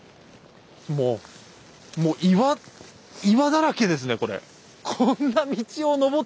もうもう岩岩だらけですねこれ。